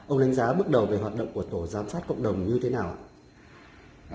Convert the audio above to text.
ông đánh giá bước đầu về hoạt động của tổ giám sát cộng đồng như thế nào ạ